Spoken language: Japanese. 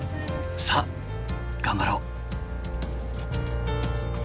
さあ頑張ろう！